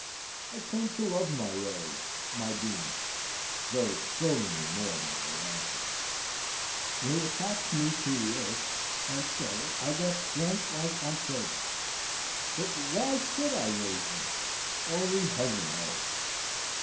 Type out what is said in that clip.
I came to love my rows, my beans, though so many more than I wanted. They attached me to the earth, and so I got strength like Antæus. But why should I raise them? Only Heaven knows.